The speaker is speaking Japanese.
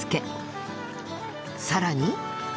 さらに